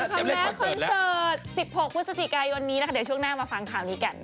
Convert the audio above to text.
ช่วงหน้าค่ะคุณเซลโลโซกคอมแบคแล้วหรือ